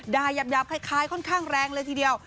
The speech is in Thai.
หยาบคล้ายค่อนข้างแรงเลยทีเดียว